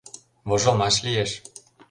Вожылмаш лиеш!